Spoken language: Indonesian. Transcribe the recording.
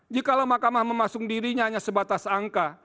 jikalau makamah memasung dirinya hanya sebatas angka